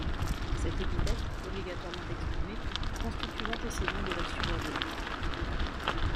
Cette épithète, obligatoirement exprimée, constitue l’antécédent de la subordonnée.